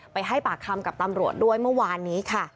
ให้ปากคำกับตำรวจด้วยเมื่อวานนี้ค่ะ